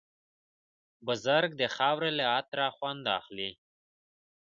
بزګر د خاورې له عطره خوند اخلي